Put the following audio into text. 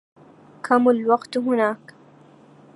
كم الوقت هناك؟